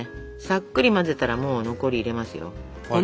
さっくり混ぜたらもう残り入れますよ。